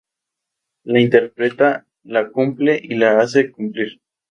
La interpreta, la cumple y la hace cumplir.